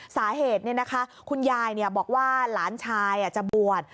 สาเหตุคุณยายบอกว่าหลานชายจะบวช